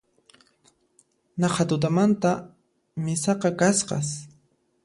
Naqha tutamanta misaqa kasqas